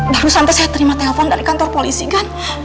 baru santai saya terima telepon dari kantor polisi gan